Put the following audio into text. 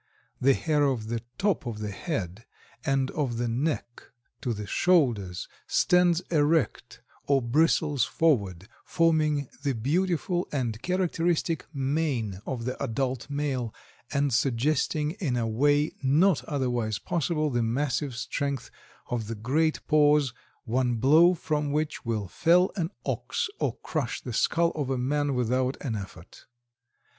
The hair of the top of the head and of the neck to the shoulders stands erect or bristles forward, forming the beautiful and characteristic mane of the adult male and suggesting in a way not otherwise possible the massive strength of the great paws, one blow from which will fell an ox or crush the skull of a man without an effort.